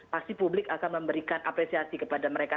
pasti publik akan memberikan apresiasi kepada mereka